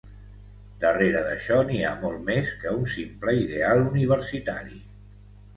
Darrera d'això n'hi ha molt més que un simple ideal universitari.